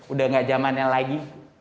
udah gak zamannya lagi